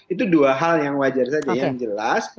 itu dua hal yang wajar saja yang jelas